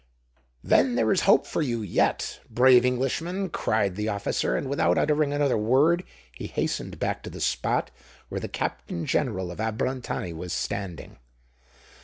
"Then there is hope for you yet, brave Englishman!" cried the officer; and without uttering another word, he hastened back to the spot where the Captain General of Abrantani was standing.